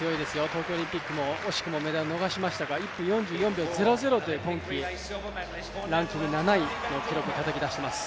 東京オリンピックも惜しくもメダルを逃しましたから１分４４秒０で今季ランキング７位の記録を打ち出しています。